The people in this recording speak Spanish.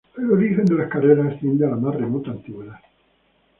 El origen de las carreras asciende a la más remota antigüedad.